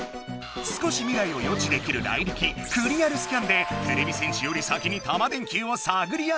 少し未来を予知できるライリキ「クリアルスキャン」でてれび戦士より先にタマ電Ｑをさぐり当てた。